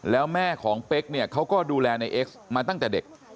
แล้วแม่ของเป๊กเนี่ยเขาก็ดูแลในเอ็กซ์มาตั้งแต่เด็ก